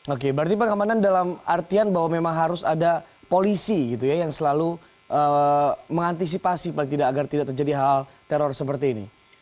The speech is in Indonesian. oke berarti pengamanan dalam artian bahwa memang harus ada polisi gitu ya yang selalu mengantisipasi paling tidak agar tidak terjadi hal teror seperti ini